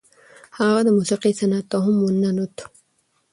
هغه د موسیقۍ صنعت ته هم ننوت.